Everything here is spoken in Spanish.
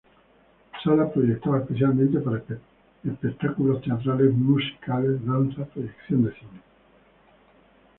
Sala proyectada especialmente para espectáculos teatrales, musicales, danza, proyecciones de cine.